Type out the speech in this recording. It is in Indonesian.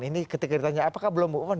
ini ketika ditanya apakah belum move on